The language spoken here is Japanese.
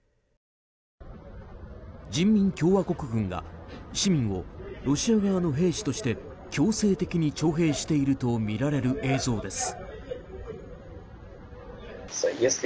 人民共和国軍が市民をロシア側の兵士として強制的に徴兵しているとみられる映像です。